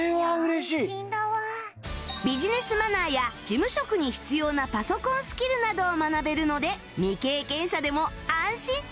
ビジネスマナーや事務職に必要なパソコンスキルなどを学べるので未経験者でも安心